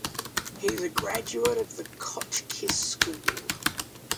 He is a graduate of The Hotchkiss School.